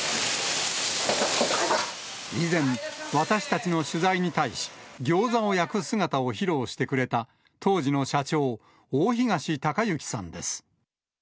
以前、私たちの取材に対し、ギョーザを焼く姿を披露してくれた、当時の社長、大東隆行さんです。